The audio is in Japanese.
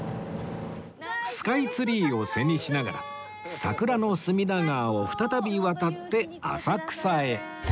スカイツリーを背にしながら桜の隅田川を再び渡って浅草へ